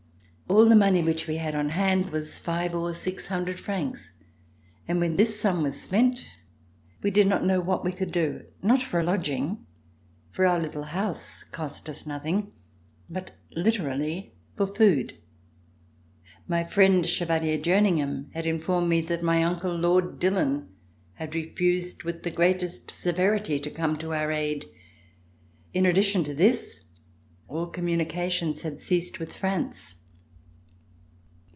All the money which we had on hand was five or six hundred francs, and when this sum was spent we did not know what we could do, not for a lodging, for our little house cost us nothing, but literally for our food. My friend. Chevalier Jerningham, had in formed me that my uncle, Lord Dillon, had refused with the greatest severity to come to our aid. In addition to this, all communications had ceased with France.